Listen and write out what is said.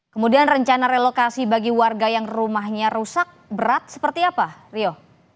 kemudian rencana relokasi bagi warga yang rumahnya rusak berat seperti apa rio